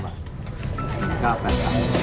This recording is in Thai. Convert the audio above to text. ๙บาทครับ